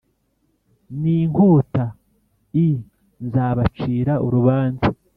n inkota i Nzabacira urubanza